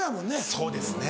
そうですね。